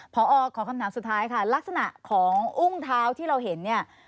พอขอคำถามสุดท้ายค่ะลักษณะของอุ้งเท้าที่เราเห็นเนี่ย